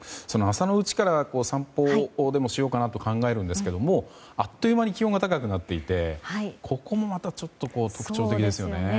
朝のうちから散歩でもしようかなと考えるんですけどもうあっという間に気温が高くなっていてここもまたちょっと特徴的ですよね。